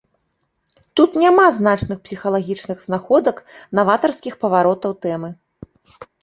Тут няма значных псіхалагічных знаходак, наватарскіх паваротаў тэмы.